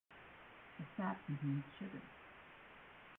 The sap contains sugars.